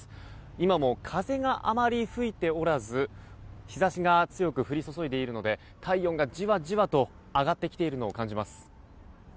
今も、風があまり吹いておらず日差しが強く降り注いでいるので体温がじわじわと上がってきているのを感じます。